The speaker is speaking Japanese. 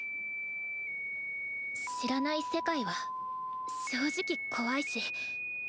知らない世界は正直怖いし緊張する。